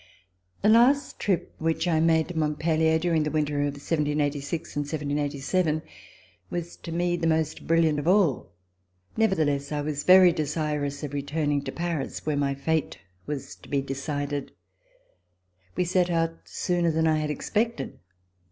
THE last trip which I made to Montpellier, during the winter of 1786 and 1787, was to me the most brilliant of alL Nevertheless, I was very desirous of returning to Paris where my fate was to be decided. We set out sooner than I had expected.